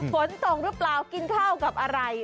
ฝนตกหรือเปล่ากินข้าวกับอะไร